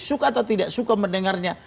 suka atau tidak suka mendengarnya